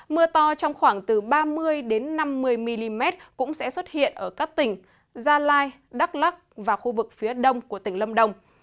mưa to trong khoảng từ ba mươi năm mươi mm cũng sẽ xuất hiện ở các tỉnh gia lai đắk lắc và khu vực phía đông của tây nguyên